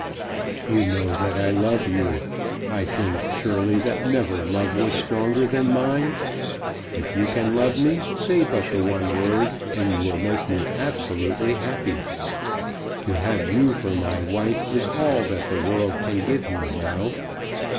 "You know that I love you. I think, surely, that never love was stronger than mine. If you can love me say but the one word, and you will make me absolutely happy. To have you for my wife is all that the world can give me now.